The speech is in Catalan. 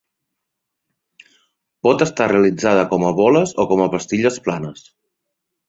Pot estar realitzada com a boles o com pastilles planes.